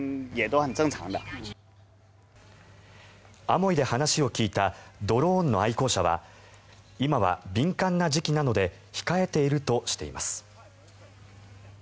アモイで話を聞いたドローンの愛好者は今は敏感な時期なので控えているとしています。